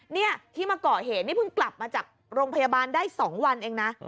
เนี่ยที่มาก่อเหตุนี่เพิ่งกลับมาจากโรงพยาบาลได้๒วันเองนะ